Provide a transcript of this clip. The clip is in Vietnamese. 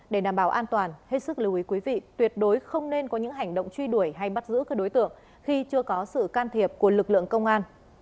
để đảm bảo an toàn hết sức lưu ý quý vị tuyệt đối không nên có những hành động truy đuổi hay bắt giữ các đối tượng khi chưa có sự can thiệp của lực lượng công an